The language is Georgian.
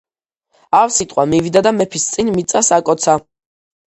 ავსიტყვა მივიდა და მეფის წინ მიწას აკოც.